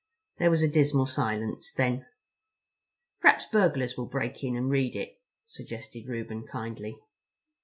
There was a dismal silence. Then: "Perhaps burglars will break in and read it," suggested Reuben kindly.